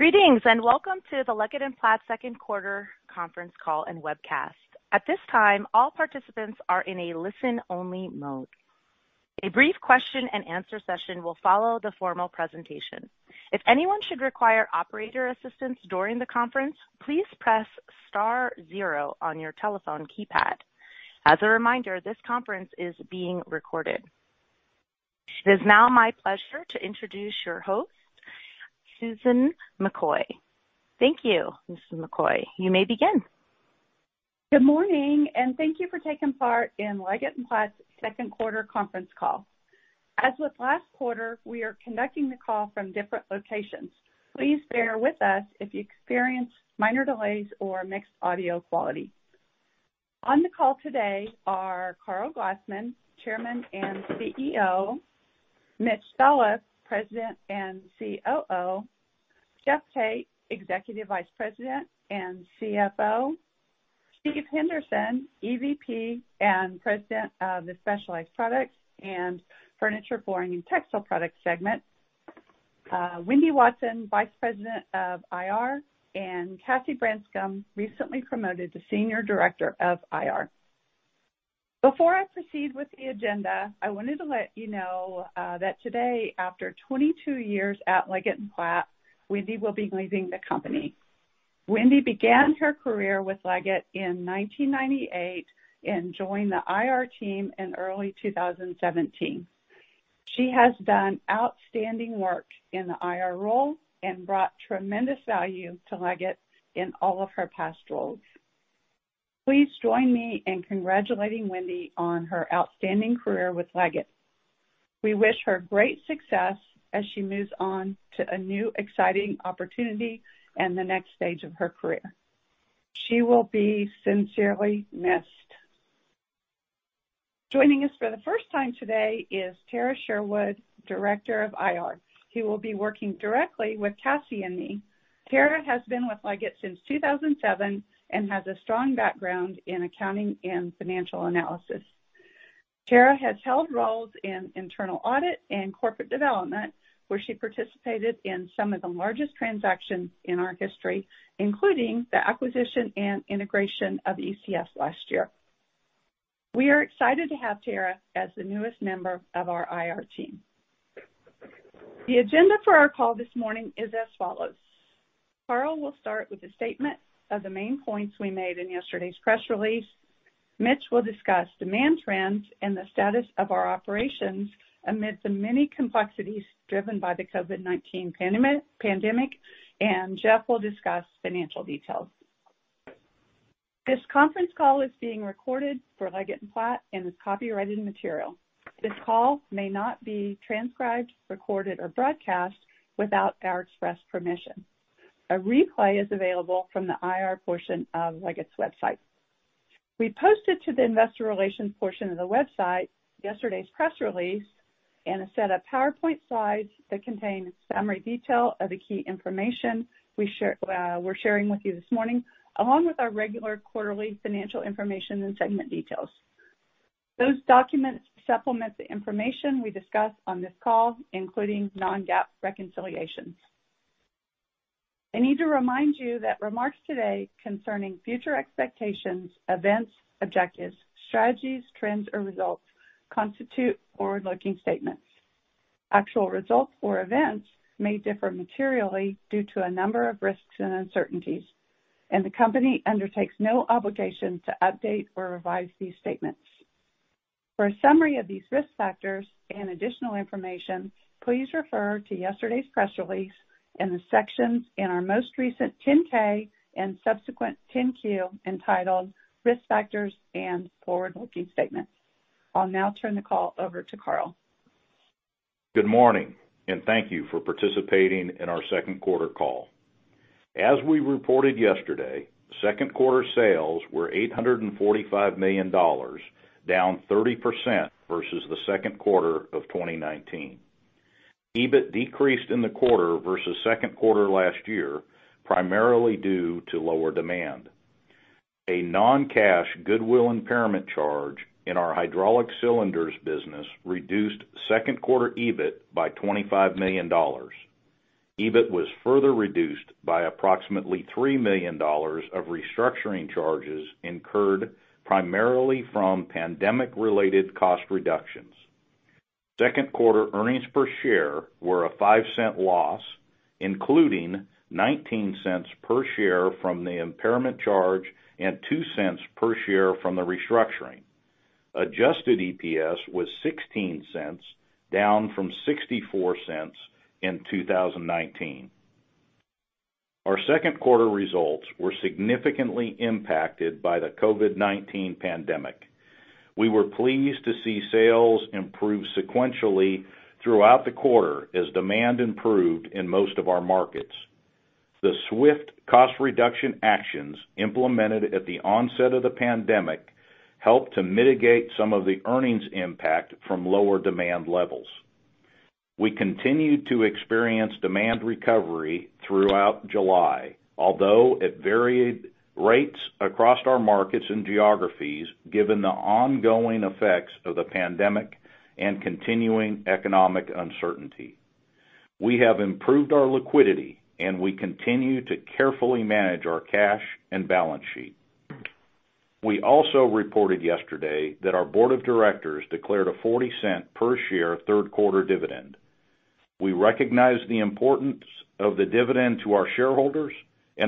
Greetings. Welcome to the Leggett & Platt second quarter conference call and webcast. At this time, all participants are in a listen-only mode. A brief question and answer session will follow the formal presentation. If anyone should require operator assistance during the conference, please press star zero on your telephone keypad. As a reminder, this conference is being recorded. It is now my pleasure to introduce your host, Susan McCoy. Thank you, Mrs. McCoy. You may begin. Good morning. Thank you for taking part in Leggett & Platt's second quarter conference call. As with last quarter, we are conducting the call from different locations. Please bear with us if you experience minor delays or mixed audio quality. On the call today are Karl Glassman, Chairman and CEO; Mitch Solis, President and COO; Jeff L. Tate, Executive Vice President and CFO; Steven K. Henderson, EVP and President of the Specialized Products and Furniture, Flooring & Textile Products segment; Wendy M. Watson, Vice President of IR; and Cassie J. Branscum, recently promoted to Senior Director of IR. Before I proceed with the agenda, I wanted to let you know that today, after 22 years at Leggett & Platt, Wendy will be leaving the company. Wendy began her career with Leggett in 1998 and joined the IR team in early 2017. She has done outstanding work in the IR role and brought tremendous value to Leggett in all of her past roles. Please join me in congratulating Wendy on her outstanding career with Leggett. We wish her great success as she moves on to a new exciting opportunity and the next stage of her career. She will be sincerely missed. Joining us for the first time today is Tarah L. Sherwood, Director of IR, who will be working directly with Cassie J. Branscum and me. Tarah has been with Leggett since 2007 and has a strong background in accounting and financial analysis. Tarah has held roles in internal audit and corporate development, where she participated in some of the largest transactions in our history, including the acquisition and integration of ECS last year. We are excited to have Tarah as the newest member of our IR team. The agenda for our call this morning is as follows. Karl Glassman will start with a statement of the main points we made in yesterday's press release. Mitch Solis will discuss demand trends and the status of our operations amid the many complexities driven by the COVID-19 pandemic. Jeff L. Tate will discuss financial details. This conference call is being recorded for Leggett & Platt and is copyrighted material. This call may not be transcribed, recorded, or broadcast without our express permission. A replay is available from the IR portion of Leggett's website. We posted to the investor relations portion of the website yesterday's press release and a set of PowerPoint slides that contain a summary detail of the key information we're sharing with you this morning, along with our regular quarterly financial information and segment details. Those documents supplement the information we discuss on this call, including non-GAAP reconciliations. I need to remind you that remarks today concerning future expectations, events, objectives, strategies, trends, or results constitute forward-looking statements. Actual results or events may differ materially due to a number of risks and uncertainties, and the company undertakes no obligation to update or revise these statements. For a summary of these risk factors and additional information, please refer to yesterday's press release and the sections in our most recent 10-K and subsequent 10-Q entitled Risk Factors and Forward-Looking Statements. I'll now turn the call over to Karl. Good morning. Thank you for participating in our second quarter call. As we reported yesterday, second quarter sales were $845 million, down 30% versus the second quarter of 2019. EBIT decreased in the quarter versus second quarter last year, primarily due to lower demand. A non-cash goodwill impairment charge in our hydraulic cylinders business reduced second quarter EBIT by $25 million. EBIT was further reduced by approximately $3 million of restructuring charges incurred primarily from pandemic-related cost reductions. Second quarter earnings per share were a $0.05 loss, including $0.19 per share from the impairment charge and $0.02 per share from the restructuring. Adjusted EPS was $0.16, down from $0.64 in 2019. Our second quarter results were significantly impacted by the COVID-19 pandemic. We were pleased to see sales improve sequentially throughout the quarter as demand improved in most of our markets. The swift cost reduction actions implemented at the onset of the pandemic helped to mitigate some of the earnings impact from lower demand levels. We continued to experience demand recovery throughout July, although at varied rates across our markets and geographies, given the ongoing effects of the pandemic and continuing economic uncertainty. We have improved our liquidity. We continue to carefully manage our cash and balance sheet. We also reported yesterday that our board of directors declared a $0.40 per share third quarter dividend. We recognize the importance of the dividend to our shareholders.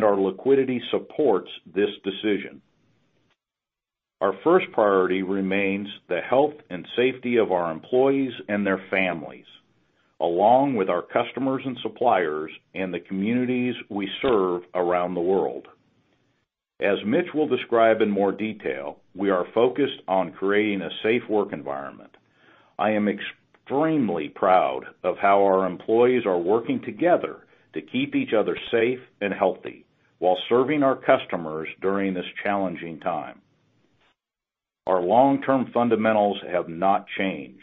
Our liquidity supports this decision. Our first priority remains the health and safety of our employees and their families, along with our customers and suppliers and the communities we serve around the world. As Mitch will describe in more detail, we are focused on creating a safe work environment. I am extremely proud of how our employees are working together to keep each other safe and healthy, while serving our customers during this challenging time. Our long-term fundamentals have not changed.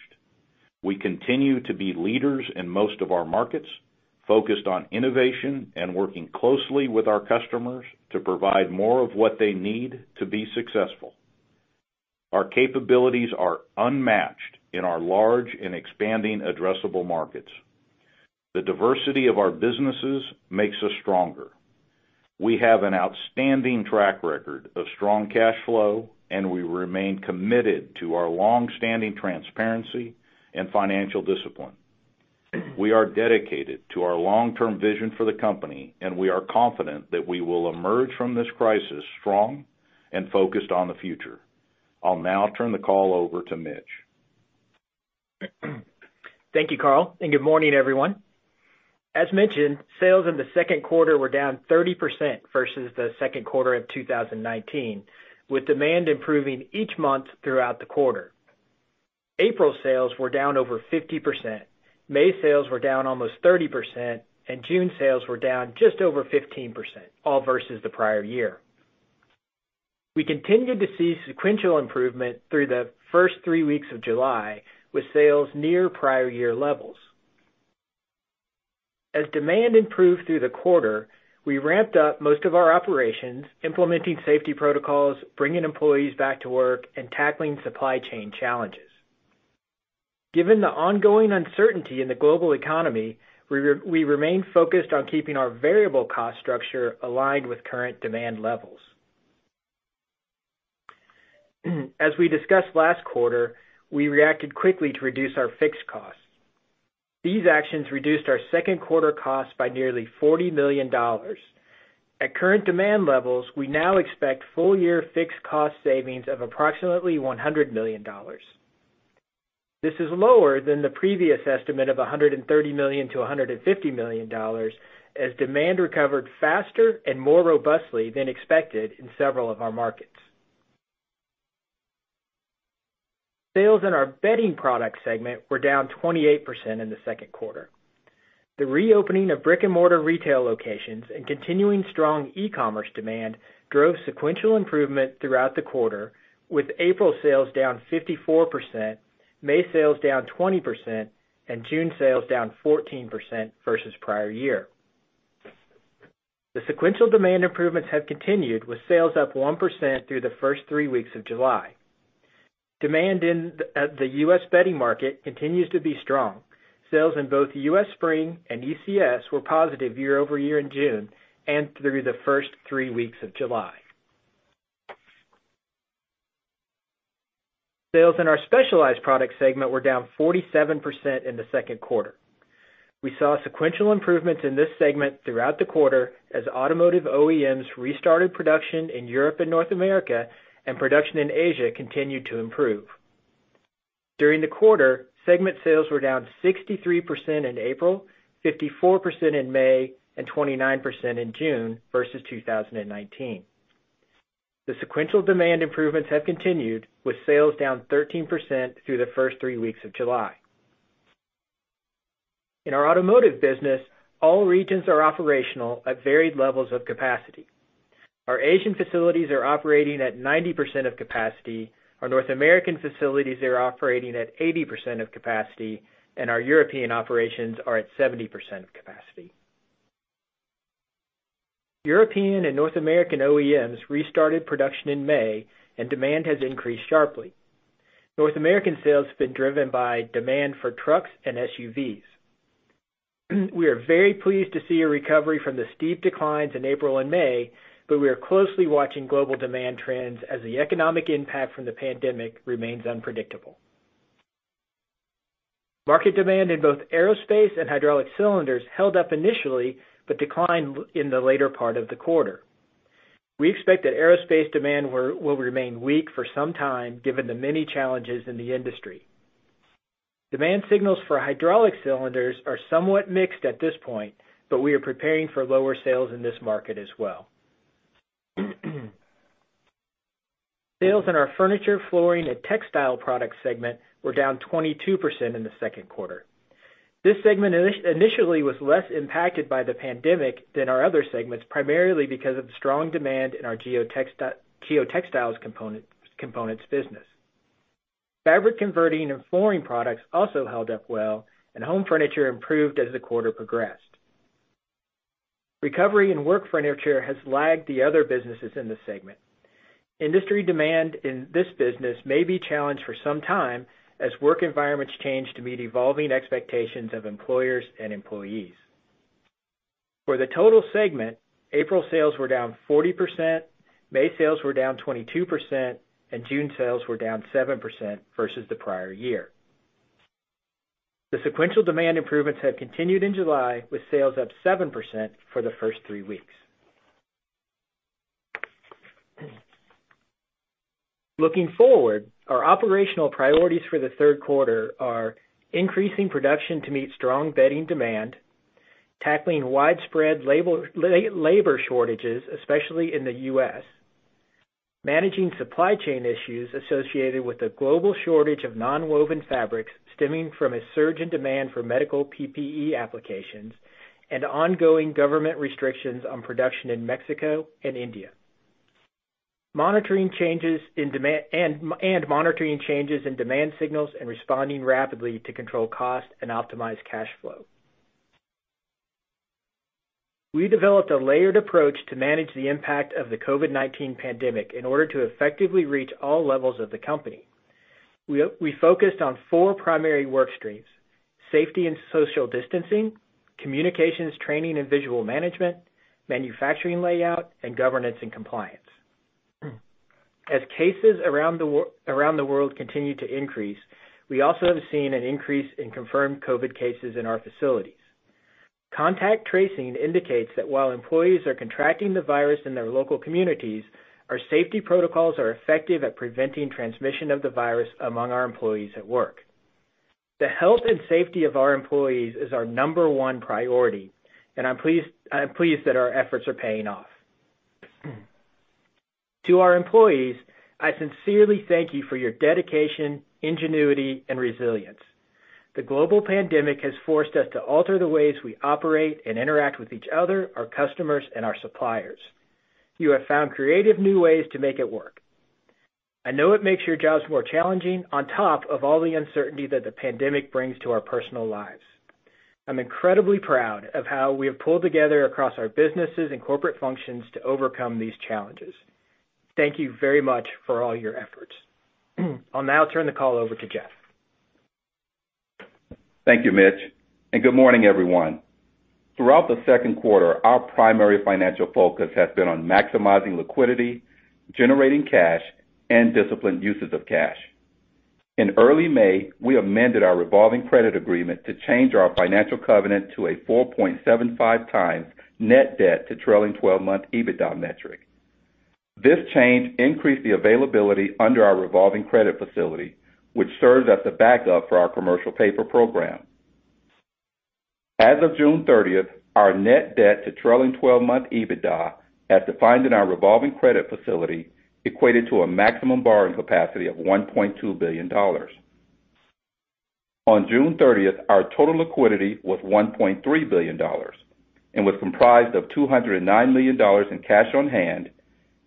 We continue to be leaders in most of our markets, focused on innovation and working closely with our customers to provide more of what they need to be successful. Our capabilities are unmatched in our large and expanding addressable markets. The diversity of our businesses makes us stronger. We have an outstanding track record of strong cash flow. We remain committed to our longstanding transparency and financial discipline. We are dedicated to our long-term vision for the company. We are confident that we will emerge from this crisis strong and focused on the future. I'll now turn the call over to Mitch. Thank you, Karl, and good morning, everyone. As mentioned, sales in the second quarter were down 30% versus the second quarter of 2019, with demand improving each month throughout the quarter. April sales were down over 50%, May sales were down almost 30%, and June sales were down just over 15%, all versus the prior year. We continued to see sequential improvement through the first three weeks of July, with sales near prior year levels. As demand improved through the quarter, we ramped up most of our operations, implementing safety protocols, bringing employees back to work, and tackling supply chain challenges. Given the ongoing uncertainty in the global economy, we remain focused on keeping our variable cost structure aligned with current demand levels. As we discussed last quarter, we reacted quickly to reduce our fixed costs. These actions reduced our second quarter costs by nearly $40 million. At current demand levels, we now expect full year fixed cost savings of approximately $100 million. This is lower than the previous estimate of $130 million-$150 million, as demand recovered faster and more robustly than expected in several of our markets. Sales in our Bedding Products segment were down 28% in the second quarter. The reopening of brick and mortar retail locations and continuing strong e-commerce demand drove sequential improvement throughout the quarter, with April sales down 54%, May sales down 20%, and June sales down 14% versus prior year. The sequential demand improvements have continued, with sales up 1% through the first three weeks of July. Demand at the U.S. Bedding market continues to be strong. Sales in both U.S. Spring and ECS were positive year-over-year in June and through the first three weeks of July. Sales in our Specialized Products segment were down 47% in the second quarter. We saw sequential improvements in this segment throughout the quarter as automotive OEMs restarted production in Europe and North America, and production in Asia continued to improve. During the quarter, segment sales were down 63% in April, 54% in May, and 29% in June versus 2019. The sequential demand improvements have continued, with sales down 13% through the first three weeks of July. In our automotive business, all regions are operational at varied levels of capacity. Our Asian facilities are operating at 90% of capacity, our North American facilities are operating at 80% of capacity, and our European operations are at 70% of capacity. European and North American OEMs restarted production in May, and demand has increased sharply. North American sales have been driven by demand for trucks and SUVs. We are very pleased to see a recovery from the steep declines in April and May. We are closely watching global demand trends as the economic impact from the pandemic remains unpredictable. Market demand in both aerospace and hydraulic cylinders held up initially, but declined in the later part of the quarter. We expect that aerospace demand will remain weak for some time given the many challenges in the industry. Demand signals for hydraulic cylinders are somewhat mixed at this point, but we are preparing for lower sales in this market as well. Sales in our Furniture, Flooring, and Textile Products segment were down 22% in the second quarter. This segment initially was less impacted by the pandemic than our other segments, primarily because of the strong demand in our geo components business. Fabric converting and Flooring Products also held up well, and Home Furniture improved as the quarter progressed. Recovery in Work Furniture has lagged the other businesses in this segment. Industry demand in this business may be challenged for some time as work environments change to meet evolving expectations of employers and employees. For the total segment, April sales were down 40%, May sales were down 22%, and June sales were down 7% versus the prior year. The sequential demand improvements have continued in July, with sales up 7% for the first three weeks. Looking forward, our operational priorities for the third quarter are increasing production to meet strong Bedding Products demand, tackling widespread labor shortages, especially in the U.S., managing supply chain issues associated with the global shortage of nonwoven fabrics stemming from a surge in demand for medical PPE applications, and ongoing government restrictions on production in Mexico and India. Monitoring changes in demand signals and responding rapidly to control cost and optimize cash flow. We developed a layered approach to manage the impact of the COVID-19 pandemic in order to effectively reach all levels of the company. We focused on four primary work streams: safety and social distancing, communications, training, and visual management, manufacturing layout, and governance and compliance. As cases around the world continue to increase, we also have seen an increase in confirmed COVID cases in our facilities. Contact tracing indicates that while employees are contracting the virus in their local communities, our safety protocols are effective at preventing transmission of the virus among our employees at work. The health and safety of our employees is our number one priority, and I'm pleased that our efforts are paying off. To our employees, I sincerely thank you for your dedication, ingenuity, and resilience. The global pandemic has forced us to alter the ways we operate and interact with each other, our customers, and our suppliers. You have found creative new ways to make it work. I know it makes your jobs more challenging on top of all the uncertainty that the pandemic brings to our personal lives. I'm incredibly proud of how we have pulled together across our businesses and corporate functions to overcome these challenges. Thank you very much for all your efforts. I'll now turn the call over to Jeff. Thank you, Mitch. Good morning, everyone. Throughout the second quarter, our primary financial focus has been on maximizing liquidity, generating cash, and disciplined uses of cash. In early May, we amended our revolving credit agreement to change our financial covenant to a 4.75 times net debt to trailing 12-month EBITDA metric. This change increased the availability under our revolving credit facility, which serves as a backup for our commercial paper program. As of June 30th, our net debt to trailing 12-month EBITDA, as defined in our revolving credit facility, equated to a maximum borrowing capacity of $1.2 billion. On June 30th, our total liquidity was $1.3 billion and was comprised of $209 million in cash on hand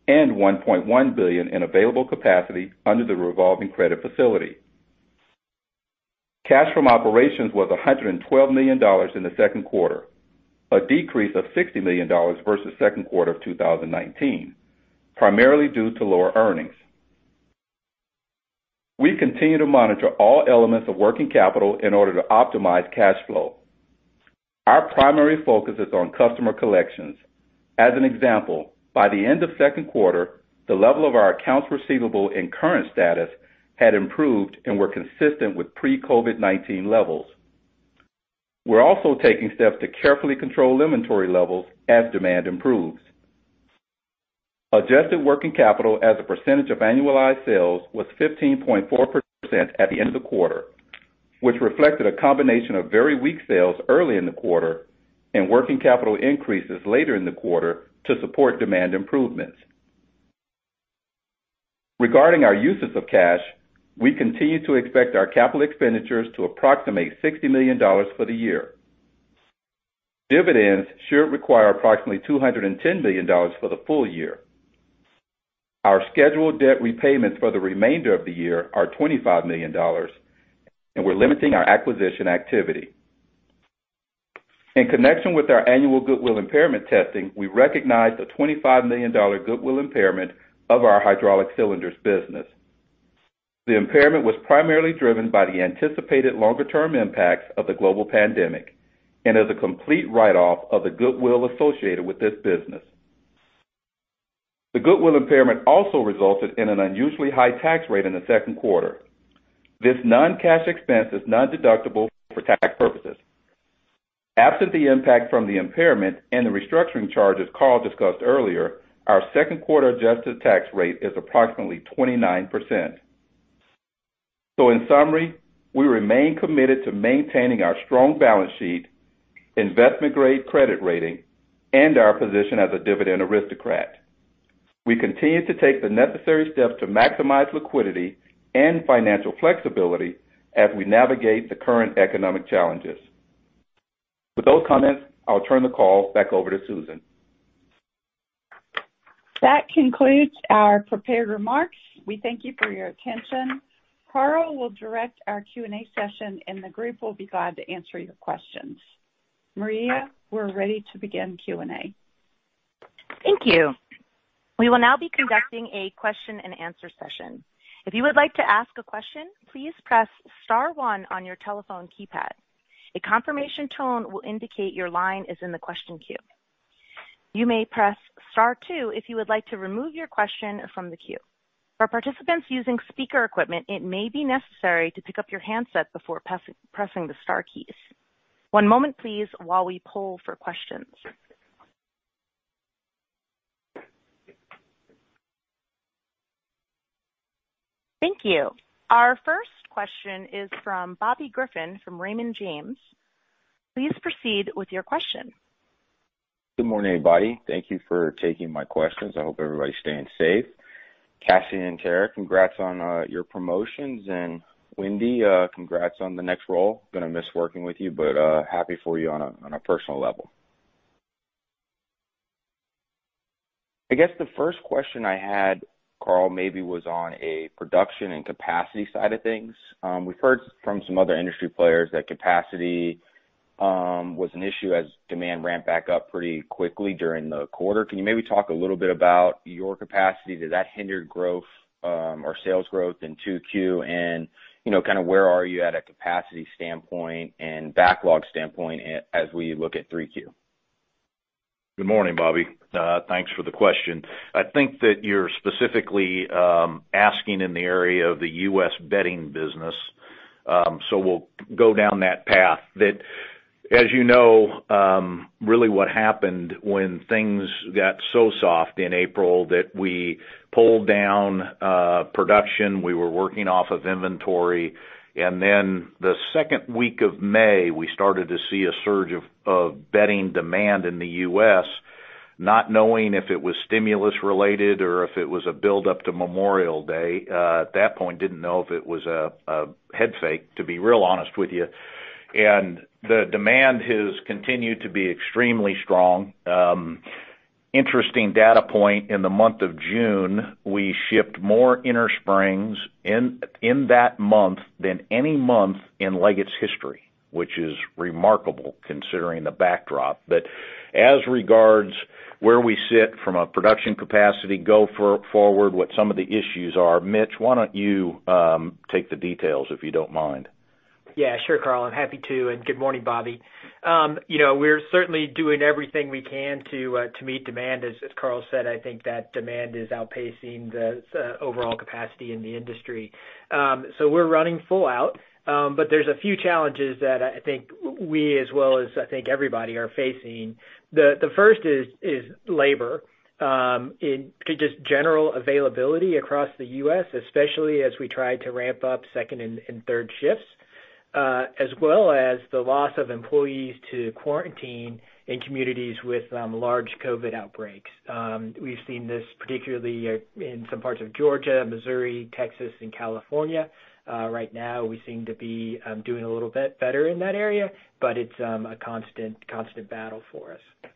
and $1.1 billion in available capacity under the revolving credit facility. Cash from operations was $112 million in the second quarter, a decrease of $60 million versus second quarter of 2019, primarily due to lower earnings. We continue to monitor all elements of working capital in order to optimize cash flow. Our primary focus is on customer collections. As an example, by the end of second quarter, the level of our accounts receivable and current status had improved and were consistent with pre-COVID-19 levels. We're also taking steps to carefully control inventory levels as demand improves. Adjusted working capital as a percentage of annualized sales was 15.4% at the end of the quarter, which reflected a combination of very weak sales early in the quarter and working capital increases later in the quarter to support demand improvements. Regarding our uses of cash, we continue to expect our capital expenditures to approximate $60 million for the year. Dividends should require approximately $210 million for the full year. Our scheduled debt repayments for the remainder of the year are $25 million, and we're limiting our acquisition activity. In connection with our annual goodwill impairment testing, we recognized a $25 million goodwill impairment of our hydraulic cylinders business. The impairment was primarily driven by the anticipated longer-term impacts of the global pandemic and is a complete write-off of the goodwill associated with this business. The goodwill impairment also resulted in an unusually high tax rate in the second quarter. This non-cash expense is non-deductible for tax purposes. Absent the impact from the impairment and the restructuring charges Karl discussed earlier, our second quarter adjusted tax rate is approximately 29%. In summary, we remain committed to maintaining our strong balance sheet, investment-grade credit rating, and our position as a dividend aristocrat. We continue to take the necessary steps to maximize liquidity and financial flexibility as we navigate the current economic challenges. With those comments, I'll turn the call back over to Susan McCoy. That concludes our prepared remarks. We thank you for your attention. Karl will direct our Q&A session, and the group will be glad to answer your questions. Maria, we're ready to begin Q&A. Thank you. We will now be conducting a question and answer session. If you would like to ask a question, please press star one on your telephone keypad. A confirmation tone will indicate your line is in the question queue. You may press star two if you would like to remove your question from the queue. For participants using speaker equipment, it may be necessary to pick up your handset before pressing the star keys. One moment, please, while we poll for questions. Thank you. Our first question is from Bobby Griffin from Raymond James. Please proceed with your question. Good morning, everybody. Thank you for taking my questions. I hope everybody's staying safe. Cassie and Tara, congrats on your promotions, and Wendy, congrats on the next role. Going to miss working with you, but happy for you on a personal level. I guess the first question I had, Karl, maybe was on a production and capacity side of things. We've heard from some other industry players that capacity was an issue as demand ramped back up pretty quickly during the quarter. Can you maybe talk a little bit about your capacity? Did that hinder growth or sales growth in two Q? And where are you at a capacity standpoint and backlog standpoint as we look at three Q? Good morning, Bobby. Thanks for the question. I think that you're specifically asking in the area of the U.S. bedding business, so we'll go down that path. As you know, really what happened when things got so soft in April that we pulled down production, we were working off of inventory, then the second week of May, we started to see a surge of bedding demand in the U.S., not knowing if it was stimulus related or if it was a build-up to Memorial Day. At that point, didn't know if it was a head fake, to be real honest with you. The demand has continued to be extremely strong. Interesting data point, in the month of June, we shipped more innersprings in that month than any month in Leggett's history, which is remarkable considering the backdrop. As regards where we sit from a production capacity go forward, what some of the issues are, Mitch, why don't you take the details if you don't mind? Yeah, sure, Karl, I'm happy to, and good morning, Bobby. We're certainly doing everything we can to meet demand. As Karl said, I think that demand is outpacing the overall capacity in the industry. We're running full out, but there's a few challenges that I think we as well as, I think everybody are facing. The first is labor, in just general availability across the U.S., especially as we try to ramp up second and third shifts, as well as the loss of employees to quarantine in communities with large COVID outbreaks. We've seen this particularly in some parts of Georgia, Missouri, Texas, and California. Right now, we seem to be doing a little bit better in that area, but it's a constant battle for us.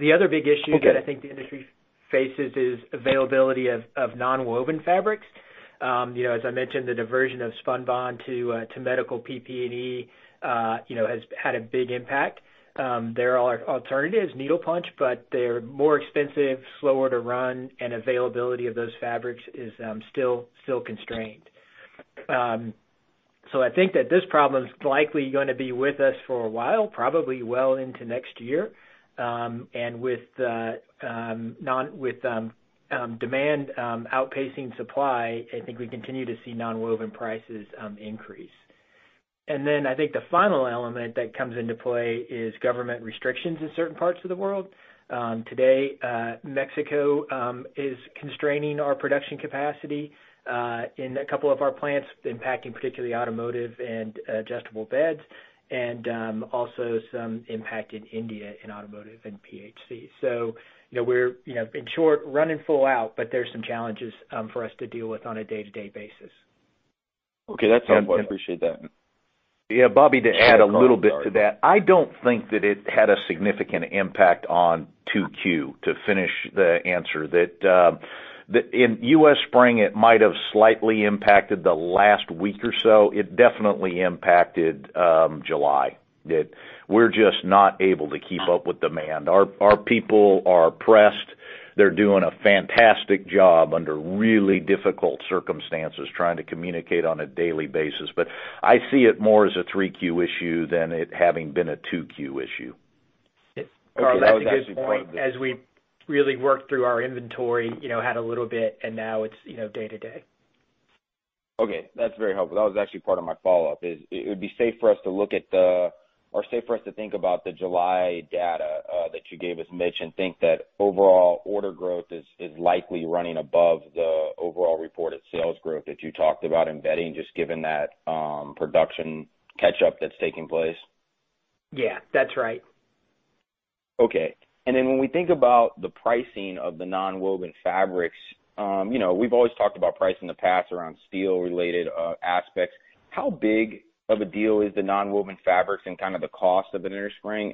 The other big issue that I think the industry faces is availability of nonwoven fabrics. As I mentioned, the diversion of spunbond to medical PPE has had a big impact. There are alternatives, needle punch, but they're more expensive, slower to run, and availability of those fabrics is still constrained. I think that this problem's likely gonna be with us for a while, probably well into next year. With demand outpacing supply, I think we continue to see nonwoven prices increase. Then I think the final element that comes into play is government restrictions in certain parts of the world. Today, Mexico is constraining our production capacity in a couple of our plants, impacting particularly automotive and adjustable beds, and also some impact in India in automotive and PHC. We're, in short, running full out, but there's some challenges for us to deal with on a day-to-day basis. Okay. That's helpful. I appreciate that. Yeah, Bobby, to add a little bit to that, I don't think that it had a significant impact on 2Q, to finish the answer. That in U.S. Spring, it might have slightly impacted the last week or so. It definitely impacted July, that we're just not able to keep up with demand. Our people are pressed. They're doing a fantastic job under really difficult circumstances, trying to communicate on a daily basis. I see it more as a 3Q issue than it having been a 2Q issue. Karl, that's a good point. As we really worked through our inventory, had a little bit, and now it's day to day. Okay. That's very helpful. That was actually part of my follow-up, safe for us to think about the July data that you gave us, Mitch, and think that overall order growth is likely running above the overall reported sales growth that you talked about in bedding, just given that production catch-up that's taking place? Yeah, that's right. Okay. When we think about the pricing of the nonwoven fabrics, we've always talked about price in the past around steel-related aspects. How big of a deal is the nonwoven fabrics and kind of the cost of an inner spring?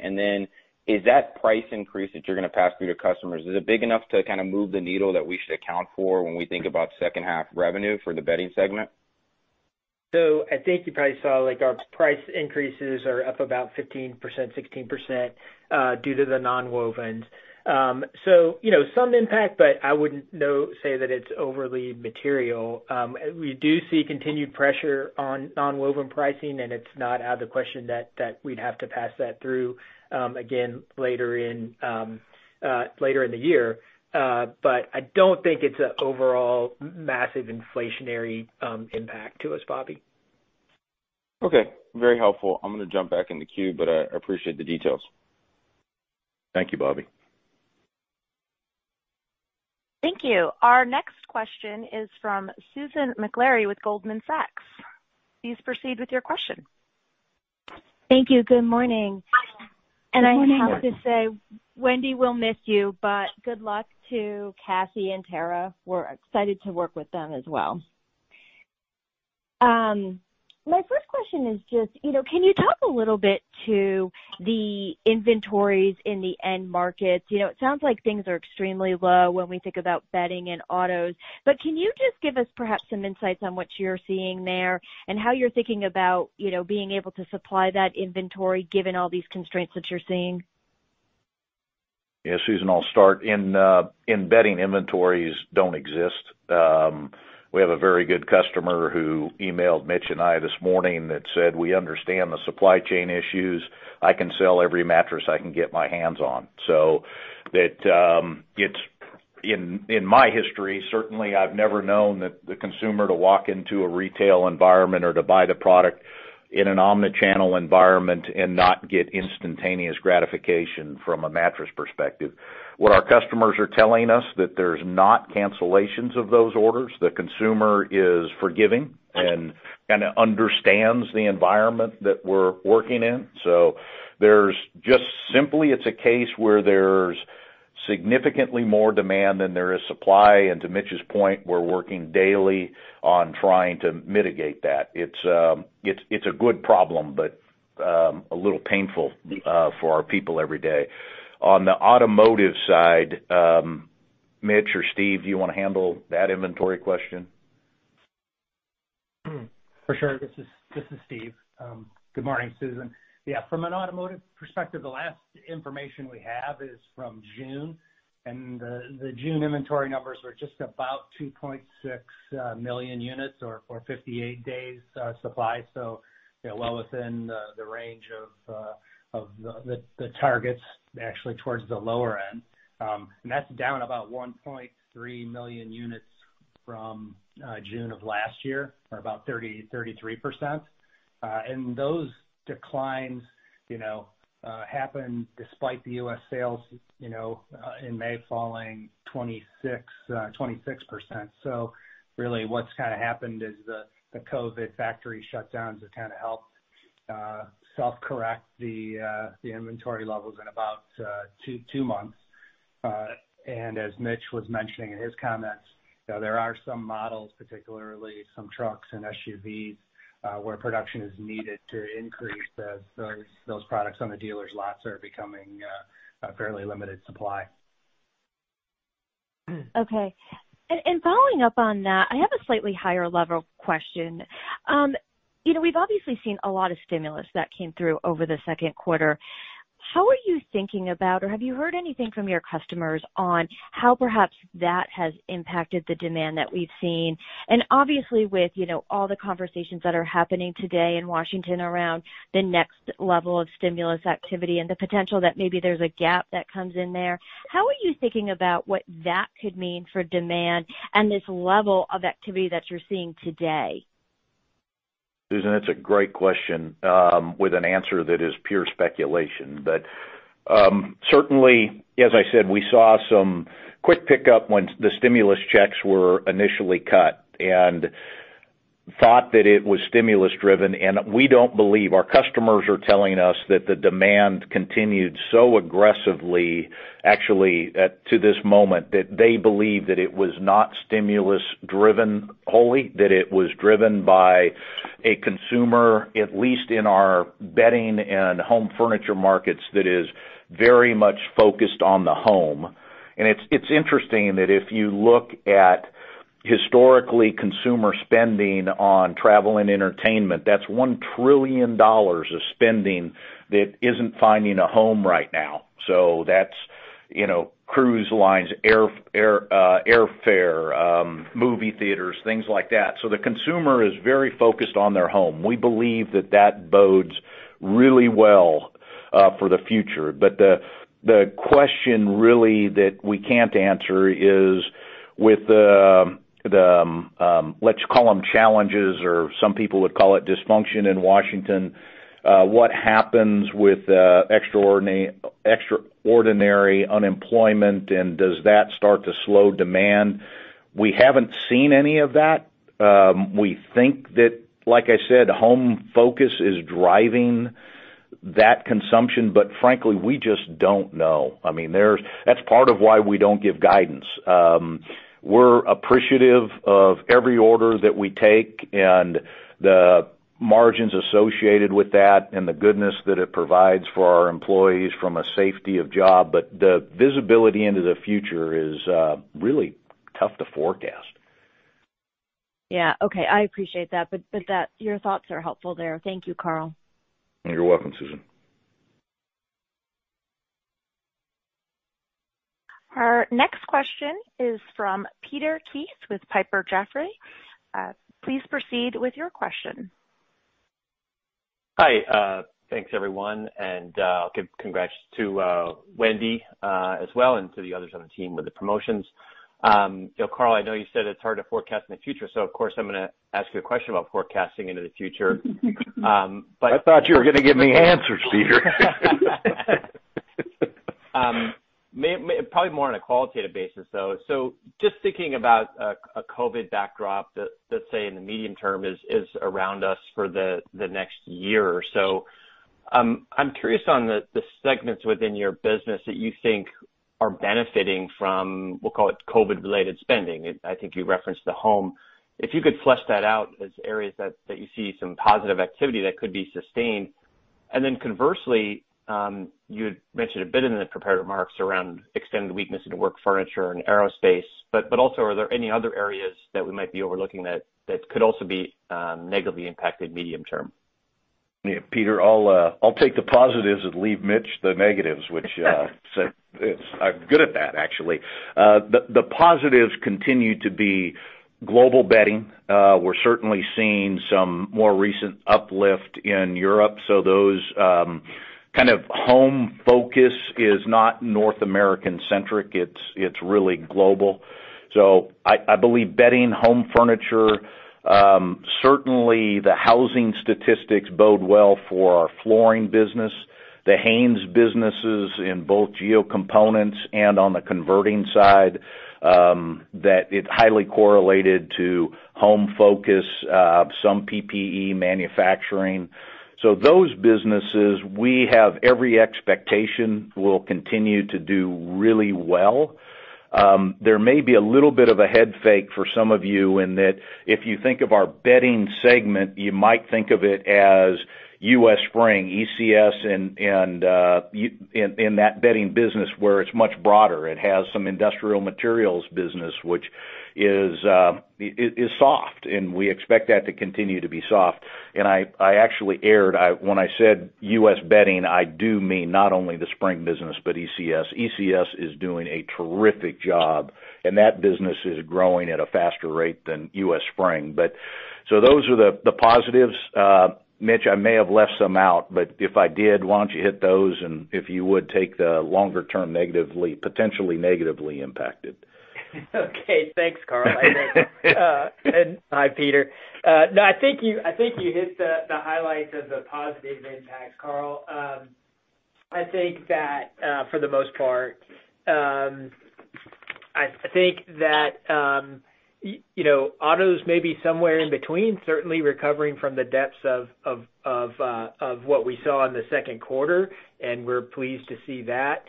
Is that price increase that you're gonna pass through to customers, is it big enough to kind of move the needle that we should account for when we think about second half revenue for the bedding segment? I think you probably saw our price increases are up about 15%, 16%, due to the nonwovens. Some impact, but I wouldn't say that it's overly material. We do see continued pressure on nonwoven pricing, and it's not out of the question that we'd have to pass that through again later in the year. I don't think it's an overall massive inflationary impact to us, Bobby. Okay. Very helpful. I'm going to jump back in the queue, but I appreciate the details. Thank you, Bobby. Thank you. Our next question is from Susan Maklari with Goldman Sachs. Please proceed with your question. Thank you. Good morning. Good morning. I have to say, Wendy, we'll miss you, but good luck to Cassie and Tarah. We're excited to work with them as well. My first question is just, can you talk a little bit to the inventories in the end markets? It sounds like things are extremely low when we think about bedding and autos, but can you just give us perhaps some insights on what you're seeing there and how you're thinking about being able to supply that inventory given all these constraints that you're seeing? Yeah, Susan, I'll start. In bedding, inventories don't exist. We have a very good customer who emailed Mitch and I this morning that said, "We understand the supply chain issues. I can sell every mattress I can get my hands on." In my history, certainly I've never known the consumer to walk into a retail environment or to buy the product in an omnichannel environment and not get instantaneous gratification from a mattress perspective. What our customers are telling us that there's not cancellations of those orders. The consumer is forgiving and kinda understands the environment that we're working in. There's just simply, it's a case where there's significantly more demand than there is supply, and to Mitch's point, we're working daily on trying to mitigate that. It's a good problem, but a little painful for our people every day. On the automotive side, Mitch or Steven, do you want to handle that inventory question? For sure. This is Steven. Good morning, Susan. Yeah, from an automotive perspective, the last information we have is from June, the June inventory numbers were just about 2.6 million units or 58 days supply. Well within the range of the targets, actually towards the lower end. That's down about 1.3 million units from June of last year or about 33%. Those declines happened despite the U.S. sales in May falling 26%. Really what's kinda happened is the COVID-19 factory shutdowns have kinda helped self-correct the inventory levels in about two months. As Mitch was mentioning in his comments, there are some models, particularly some trucks and SUVs, where production is needed to increase as those products on the dealers' lots are becoming a fairly limited supply. Okay. Following up on that, I have a slightly higher level question. We've obviously seen a lot of stimulus that came through over the second quarter. How are you thinking about, or have you heard anything from your customers on how perhaps that has impacted the demand that we've seen? Obviously with all the conversations that are happening today in Washington around the next level of stimulus activity and the potential that maybe there's a gap that comes in there, how are you thinking about what that could mean for demand and this level of activity that you're seeing today? Susan, that's a great question with an answer that is pure speculation. Certainly, as I said, we saw some quick pickup once the stimulus checks were initially cut and thought that it was stimulus driven. We don't believe. Our customers are telling us that the demand continued so aggressively, actually, to this moment, that they believe that it was not stimulus driven wholly, that it was driven by a consumer, at least in our Bedding Products and Home Furniture markets, that is very much focused on the home. It's interesting that if you look at historically consumer spending on travel and entertainment, that's $1 trillion of spending that isn't finding a home right now. That's cruise lines, airfare, movie theaters, things like that. The consumer is very focused on their home. We believe that that bodes really well for the future. The question really that we can't answer is with the, let's call them challenges or some people would call it dysfunction in Washington, what happens with extraordinary unemployment and does that start to slow demand? We haven't seen any of that. We think that, like I said, home focus is driving that consumption, but frankly, we just don't know. That's part of why we don't give guidance. We're appreciative of every order that we take and the margins associated with that and the goodness that it provides for our employees from a safety of job, but the visibility into the future is really tough to forecast. Yeah. Okay. I appreciate that. Your thoughts are helpful there. Thank you, Karl. You're welcome, Susan. Our next question is from Peter Keith with Piper Sandler. Please proceed with your question. Hi. Thanks everyone, and congrats to Wendy as well, and to the others on the team with the promotions. Karl, I know you said it's hard to forecast in the future, of course, I'm going to ask you a question about forecasting into the future. I thought you were going to give me answers, Peter. Probably more on a qualitative basis, though. Just thinking about a COVID-19 backdrop that, let's say, in the medium term is around us for the next year or so. I'm curious on the segments within your business that you think are benefiting from, we'll call it COVID-19-related spending. I think you referenced the home. If you could flesh that out as areas that you see some positive activity that could be sustained. Then conversely, you had mentioned a bit in the prepared remarks around extended weakness into Work Furniture and Aerospace. Also, are there any other areas that we might be overlooking that could also be negatively impacted medium term? Yeah, Peter, I'll take the positives and leave Mitch the negatives, which I'm good at that, actually. The positives continue to be global bedding. We're certainly seeing some more recent uplift in Europe. Those kind of home focus is not North American-centric. It's really global. I believe bedding, Home Furniture, certainly the housing statistics bode well for our Flooring Products business. The Hanes businesses in both geo components and on the converting side, that it's highly correlated to home focus, some PPE manufacturing. Those businesses, we have every expectation will continue to do really well. There may be a little bit of a head fake for some of you in that if you think of our Bedding Products segment, you might think of it as U.S. Spring, ECS, and that bedding business where it's much broader. It has some industrial materials business, which is soft, and we expect that to continue to be soft. I actually erred when I said U.S. Bedding, I do mean not only the spring business, but ECS. ECS is doing a terrific job, and that business is growing at a faster rate than U.S. Spring. Those are the positives. Mitch, I may have left some out, but if I did, why don't you hit those and if you would, take the longer term negatively, potentially negatively impacted. Okay. Thanks, Karl. Hi, Peter. I think you hit the highlights of the positive impacts, Karl. I think that for the most part. I think that autos may be somewhere in between, certainly recovering from the depths of what we saw in the second quarter, and we're pleased to see that.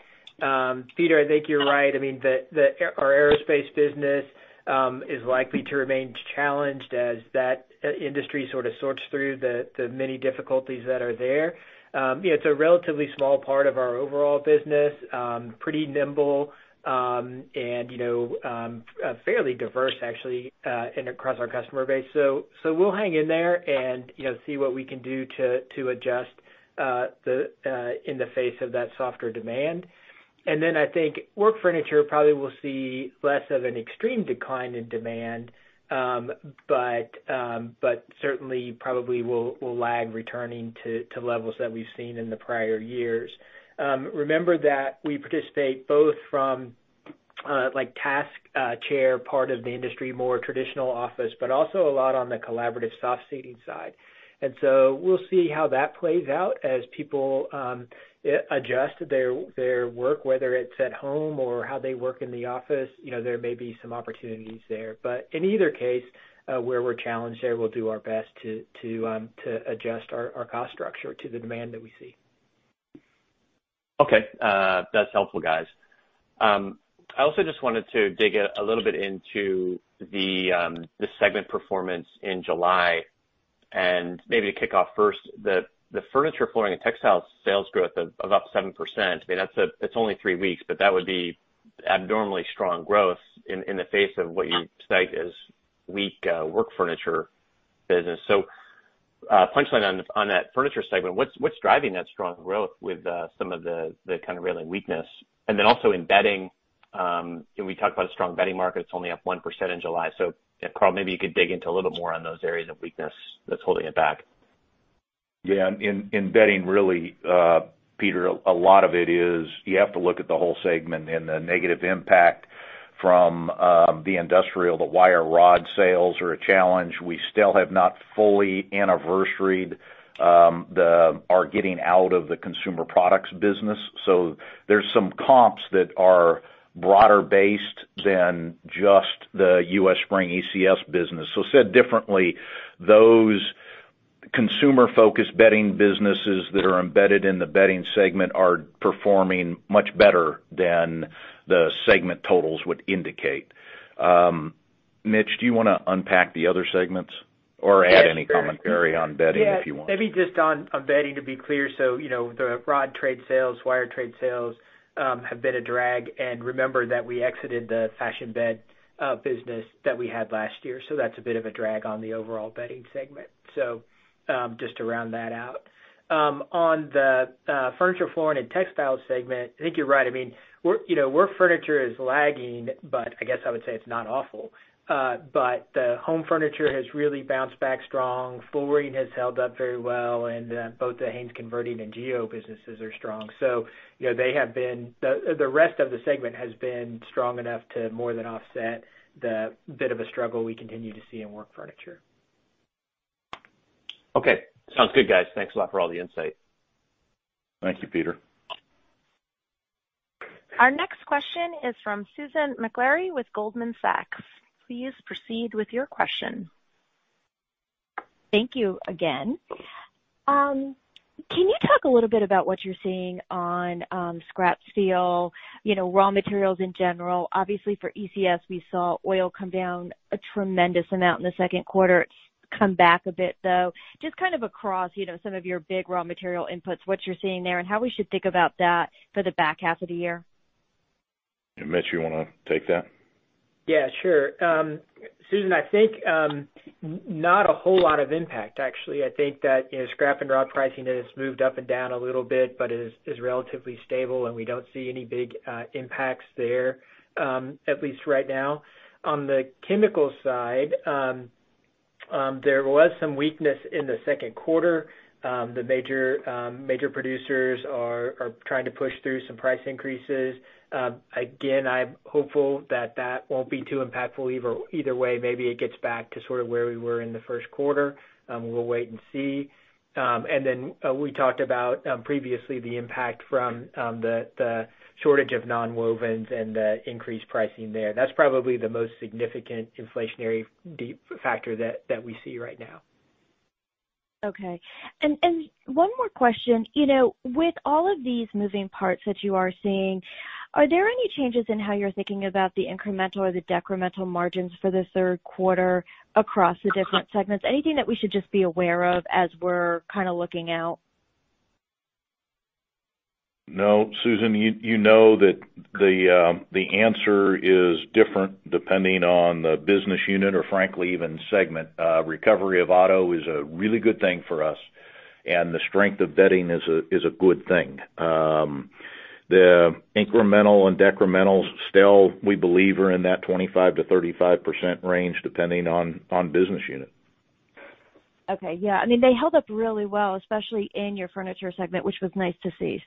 Peter, I think you're right. Our Aerospace business is likely to remain challenged as that industry sort of sorts through the many difficulties that are there. It's a relatively small part of our overall business. Pretty nimble, and fairly diverse actually across our customer base. We'll hang in there and see what we can do to adjust in the face of that softer demand. I think Work Furniture probably will see less of an extreme decline in demand. Certainly probably will lag returning to levels that we've seen in the prior years. Remember that we participate both from task chair part of the industry, more traditional office, but also a lot on the collaborative soft seating side. We'll see how that plays out as people adjust their work, whether it's at home or how they work in the office. There may be some opportunities there. In either case, where we're challenged there, we'll do our best to adjust our cost structure to the demand that we see. Okay. That's helpful, guys. I also just wanted to dig a little bit into the segment performance in July and maybe to kick off first, the Furniture, Flooring and Textiles sales growth of up 7%, it's only three weeks, but that would be abnormally strong growth in the face of what you cite as weak Work Furniture business. Punchline on that furniture segment, what's driving that strong growth with some of the kind of relative weakness? And then also in Bedding, we talk about a strong Bedding market. It's only up 1% in July. Karl, maybe you could dig into a little bit more on those areas of weakness that's holding it back. Yeah. In Bedding Products really, Peter, a lot of it is you have to look at the whole segment and the negative impact from the industrial. The wire rod sales are a challenge. We still have not fully anniversaried our getting out of the consumer products business. There's some comps that are broader based than just the U.S. Spring ECS business. Said differently, those consumer-focused Bedding Products businesses that are embedded in the Bedding Products segment are performing much better than the segment totals would indicate. Mitch, do you want to unpack the other segments or add any commentary on Bedding Products if you want? Yeah. Maybe just on Bedding Products to be clear, the rod trade sales, wire trade sales, have been a drag. Remember that we exited the Fashion Bed business that we had last year, that's a bit of a drag on the overall Bedding Products segment. Just to round that out. On the Furniture, Flooring & Textile Products segment, I think you're right. Work Furniture is lagging, I guess I would say it's not awful. The Home Furniture has really bounced back strong. Flooring Products has held up very well and both the Hanes Geo Components and Geo businesses are strong. The rest of the segment has been strong enough to more than offset the bit of a struggle we continue to see in Work Furniture. Okay. Sounds good, guys. Thanks a lot for all the insight. Thank you, Peter. Our next question is from Susan Maklari with Goldman Sachs. Please proceed with your question. Thank you again. Can you talk a little bit about what you're seeing on scrap steel, raw materials in general? Obviously for ECS, we saw oil come down a tremendous amount in the second quarter. It's come back a bit, though. Just across some of your big raw material inputs, what you're seeing there and how we should think about that for the back half of the year. Mitch, you want to take that? Yeah, sure. Susan, I think not a whole lot of impact, actually. I think that scrap and rod pricing has moved up and down a little bit, but is relatively stable, and we don't see any big impacts there, at least right now. On the chemical side, there was some weakness in the second quarter. The major producers are trying to push through some price increases. Again, I'm hopeful that that won't be too impactful either way. Maybe it gets back to sort of where we were in the first quarter. We'll wait and see. Then we talked about previously the impact from the shortage of nonwovens and the increased pricing there. That's probably the most significant inflationary factor that we see right now. Okay. One more question. With all of these moving parts that you are seeing, are there any changes in how you're thinking about the incremental or the decremental margins for the third quarter across the different segments? Anything that we should just be aware of as we're kind of looking out? No, Susan, you know that the answer is different depending on the business unit or frankly, even segment. Recovery of auto is a really good thing for us, and the strength of Bedding is a good thing. The incremental and decremental still, we believe, are in that 25%-35% range, depending on business unit. Okay. Yeah, they held up really well, especially in your Furniture segment, which was nice to see.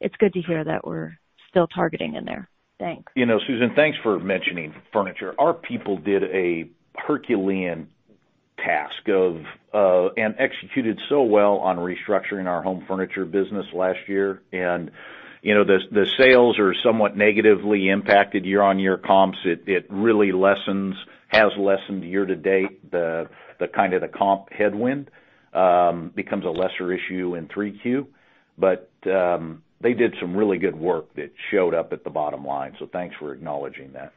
It's good to hear that we're still targeting in there. Thanks. Susan, thanks for mentioning Furniture. Our people did a Herculean task and executed so well on restructuring our Home Furniture business last year. The sales are somewhat negatively impacted year-on-year comps. It really lessens, has lessened year-to-date, the kind of the comp headwind becomes a lesser issue in 3Q. They did some really good work that showed up at the bottom line. Thanks for acknowledging that.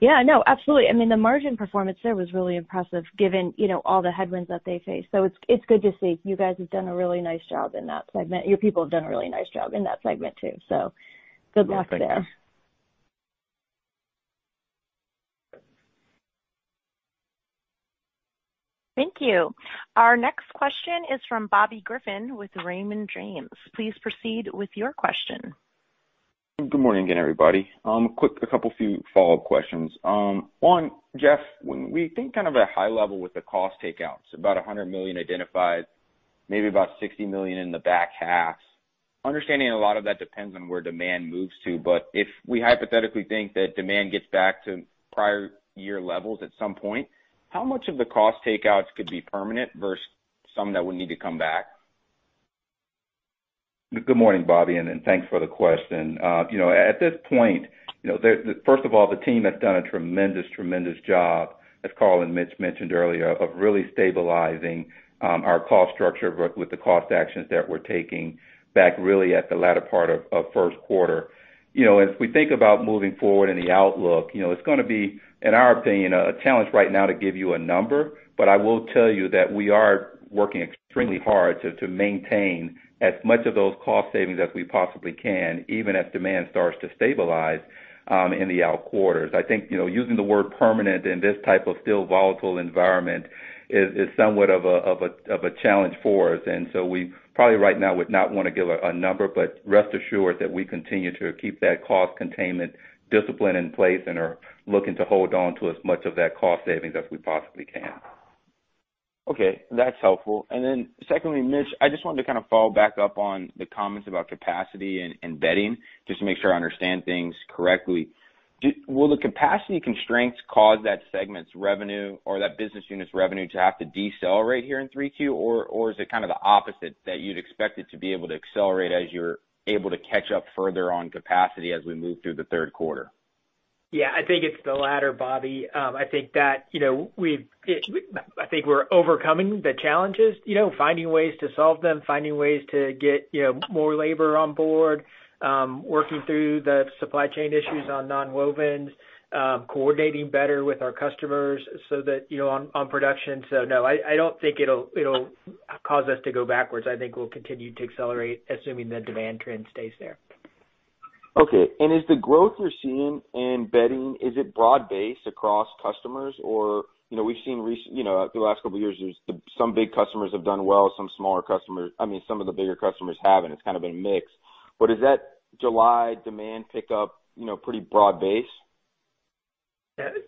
Yeah. No, absolutely. The margin performance there was really impressive given all the headwinds that they face. It's good to see you guys have done a really nice job in that segment. Your people have done a really nice job in that segment too. Good luck there. Thank you. Our next question is from Bobby Griffin with Raymond James. Please proceed with your question. Good morning again, everybody. Quick, a couple few follow-up questions. One, Jeff, when we think kind of a high level with the cost takeouts, about $100 million identified, maybe about $60 million in the back half. Understanding a lot of that depends on where demand moves to, but if we hypothetically think that demand gets back to prior year levels at some point, how much of the cost takeouts could be permanent versus some that would need to come back? Good morning, Bobby, and thanks for the question. At this point, first of all, the team has done a tremendous job, as Karl and Mitch mentioned earlier, of really stabilizing our cost structure with the cost actions that we're taking back really at the latter part of first quarter. As we think about moving forward in the outlook, it's going to be, in our opinion, a challenge right now to give you a number. I will tell you that we are working extremely hard to maintain as much of those cost savings as we possibly can, even as demand starts to stabilize in the out quarters. I think, using the word permanent in this type of still volatile environment is somewhat of a challenge for us. We probably right now would not want to give a number, but rest assured that we continue to keep that cost containment discipline in place and are looking to hold on to as much of that cost savings as we possibly can. Okay. That's helpful. Secondly, Mitch, I just wanted to kind of follow back up on the comments about capacity and bedding, just to make sure I understand things correctly. Will the capacity constraints cause that segment's revenue or that business unit's revenue to have to decelerate here in 3Q? Or is it kind of the opposite, that you'd expect it to be able to accelerate as you're able to catch up further on capacity as we move through the third quarter? Yeah, I think it's the latter, Bobby. I think we're overcoming the challenges, finding ways to solve them, finding ways to get more labor on board, working through the supply chain issues on nonwovens, coordinating better with our customers on production. No, I don't think it'll cause us to go backwards. I think we'll continue to accelerate, assuming the demand trend stays there. Okay. Is the growth you're seeing in bedding, is it broad-based across customers? Or we've seen recently, through the last couple of years, some big customers have done well, some of the bigger customers have, and it's kind of been mixed. Is that July demand pickup pretty broad-based?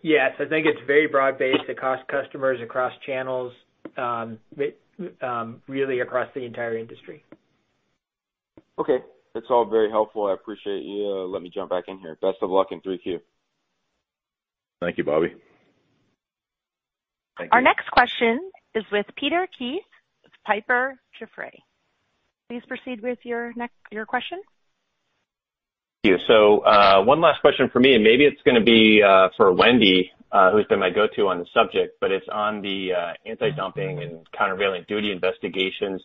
Yes, I think it's very broad-based across customers, across channels, really across the entire industry. Okay. That's all very helpful. I appreciate you letting me jump back in here. Best of luck in 3Q. Thank you, Bobby. Thank you. Our next question is with Peter Keith with Piper Sandler. Please proceed with your question. Yeah. One last question from me, and maybe it's going to be for Wendy, who's been my go-to on the subject, but it's on the anti-dumping and countervailing duty investigations.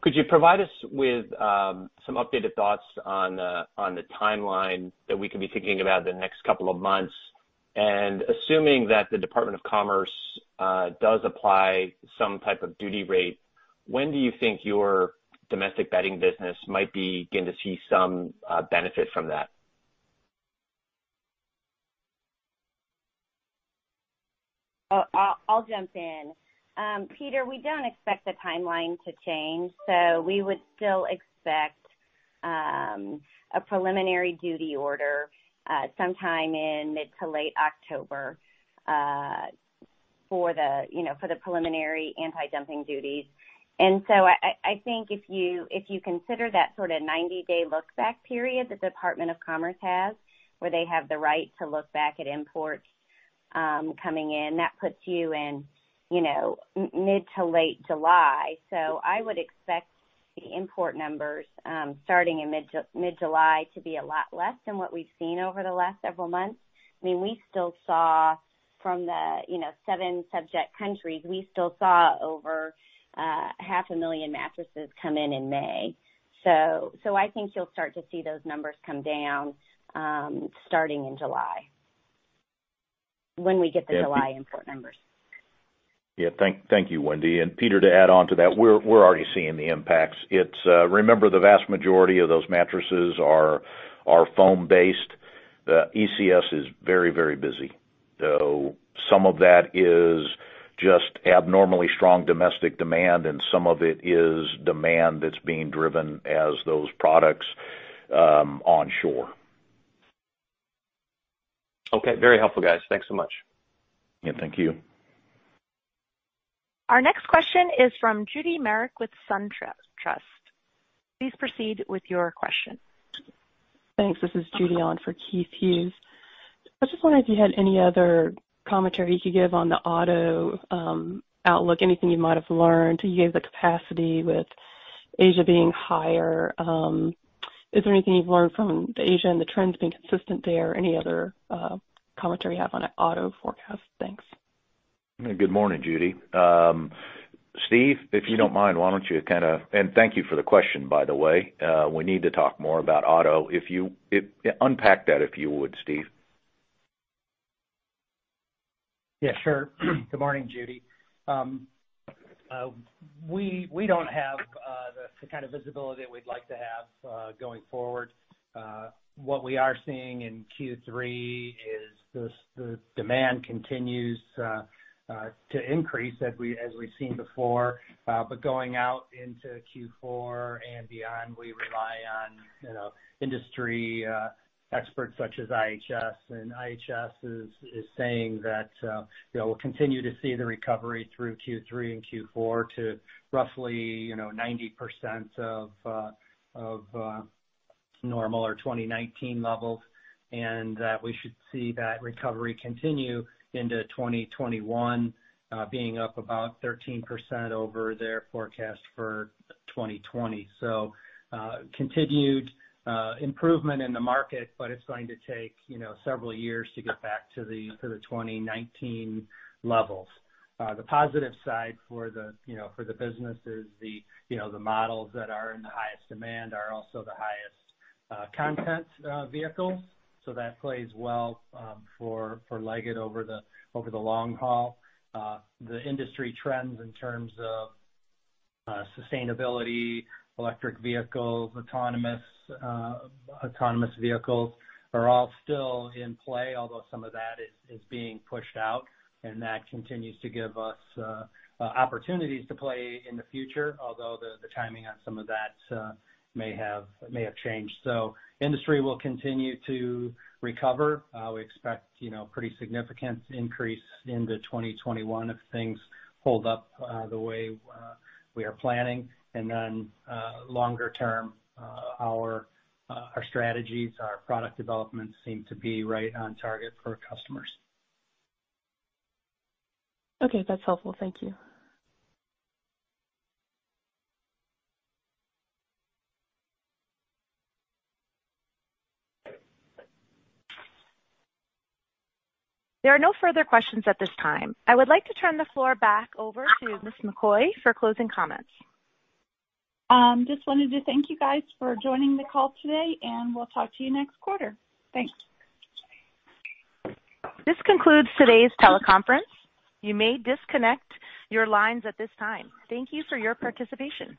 Could you provide us with some updated thoughts on the timeline that we can be thinking about the next couple of months? And assuming that the Department of Commerce does apply some type of duty rate, when do you think your domestic bedding business might begin to see some benefit from that? I'll jump in. Peter, we don't expect the timeline to change, we would still expect a preliminary duty order sometime in mid to late October for the preliminary anti-dumping duties. I think if you consider that sort of 90-day look-back period the Department of Commerce has, where they have the right to look back at imports coming in, that puts you in mid to late July. I would expect the import numbers starting in mid-July to be a lot less than what we've seen over the last several months. From the seven subject countries, we still saw over half a million mattresses come in in May. I think you'll start to see those numbers come down starting in July, when we get the July import numbers. Yeah. Thank you, Wendy. Peter, to add on to that, we're already seeing the impacts. Remember, the vast majority of those mattresses are foam-based. The ECS is very busy, though some of that is just abnormally strong domestic demand, and some of it is demand that's being driven as those products onshore. Okay. Very helpful, guys. Thanks so much. Yeah, thank you. Our next question is from Judy Merrick with SunTrust. Please proceed with your question. Thanks. This is Judy on for Keith Hughes. I just wonder if you had any other commentary you could give on the auto outlook, anything you might have learned to give the capacity with Asia being higher. Is there anything you've learned from Asia and the trends being consistent there? Any other commentary you have on auto forecast? Thanks. Good morning, Judy. Steve, if you don't mind, why don't you kind of. Thank you for the question, by the way. We need to talk more about auto. Unpack that, if you would, Steve. Yeah, sure. Good morning, Judy. We don't have the kind of visibility that we'd like to have going forward. What we are seeing in Q3 is the demand continues to increase as we've seen before. Going out into Q4 and beyond, we rely on industry experts such as IHS, and IHS is saying that we'll continue to see the recovery through Q3 and Q4 to roughly 90% of normal or 2019 levels, and that we should see that recovery continue into 2021, being up about 13% over their forecast for 2020. Continued improvement in the market, but it's going to take several years to get back to the 2019 levels. The positive side for the business is the models that are in the highest demand are also the highest content vehicles, so that plays well for Leggett over the long haul. The industry trends in terms of sustainability, electric vehicles, autonomous vehicles are all still in play, although some of that is being pushed out, and that continues to give us opportunities to play in the future. Although the timing on some of that may have changed. Industry will continue to recover. We expect pretty significant increase into 2021 if things hold up the way we are planning. Longer term, our strategies, our product developments seem to be right on target for customers. Okay. That's helpful. Thank you. There are no further questions at this time. I would like to turn the floor back over to Ms. McCoy for closing comments. Just wanted to thank you guys for joining the call today, and we'll talk to you next quarter. Thanks. This concludes today's teleconference. You may disconnect your lines at this time. Thank you for your participation.